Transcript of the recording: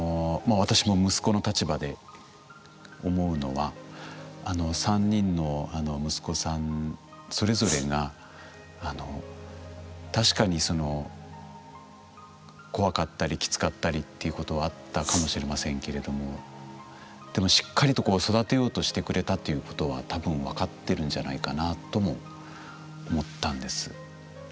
私も息子の立場で思うのはあの３人の息子さんそれぞれが確かにその怖かったりきつかったりっていうことはあったかもしれませんけれどもでもしっかりと育てようとしてくれたっていうことはたぶんわかってるんじゃないかなとも思ったんです。